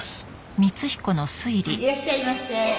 いらっしゃいませ